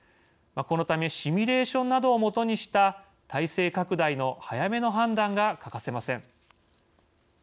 このためシミュレーションなどを基にした体制拡大の早めの判断が欠かせません。